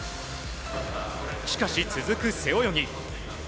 しかし、続く背泳ぎ。